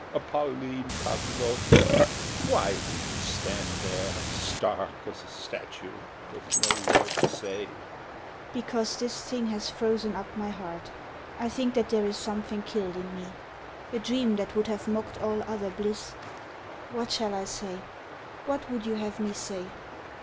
Pauline Pavlovna, why do you stand there Stark as a statue, with no word to say? SHE. Because this thing has frozen up my heart. I think that there is something killed in me, A dream that would have mocked all other bliss. What shall I say? What would you have me say?